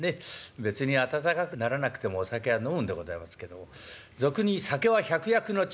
別に暖かくならなくてもお酒は飲むんでございますけども俗に「酒は百薬の長」なんてなこと言います。